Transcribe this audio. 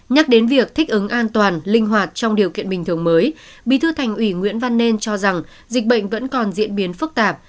nhắc đến việc thích ứng an toàn linh hoạt trong điều kiện bình thường mới bí thư thành ủy nguyễn văn nên cho rằng dịch bệnh vẫn còn diễn biến phức tạp